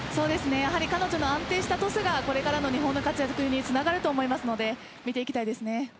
やはり彼女の安定したトスがこれからの日本の活躍につながると思いますので見ていきたいですね。